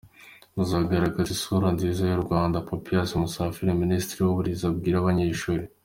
Muzagaragaze isura nziza y’u Rwanda" Papias Musafiri, Ministiri w’uburezi abwira abanyeshuri.